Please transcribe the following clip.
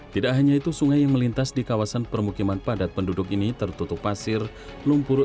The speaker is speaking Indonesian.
tidak hanya itu sungai yang melintas di kawasan permukiman padat penduduk ini tertutup pasir lumpur